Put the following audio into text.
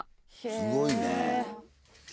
すごいね。